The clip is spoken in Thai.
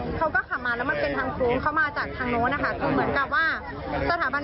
แต่ว่าคนขับเขาอาจจะไม่ชินเส้นทาง